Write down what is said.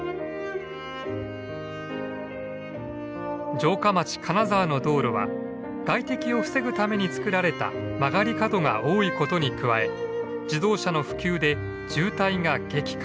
城下町金沢の道路は外敵を防ぐために作られた曲がり角が多いことに加え自動車の普及で渋滞が激化。